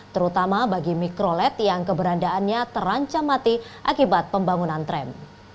terutama bagi mikrolet yang keberadaannya terancam mati akibat pembangunan tram